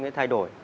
nó sẽ thay đổi